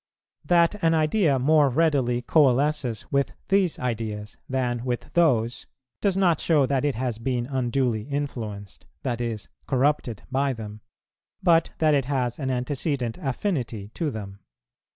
That an idea more readily coalesces with these ideas than with those does not show that it has been unduly influenced, that is, corrupted by them, but that it has an antecedent affinity to them.